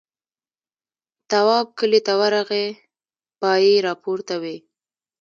تواب کلي ته ورغی پایې راپورته وې.